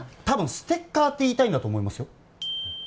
たぶんステッカーって言いたいんだと思いますよ